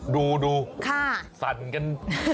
ดูสั่นกัน